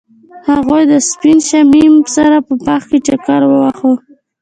هغوی د سپین شمیم سره په باغ کې چکر وواهه.